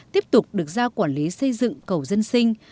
tiếp tục được giao quản lý xây dựng cầu dân sinh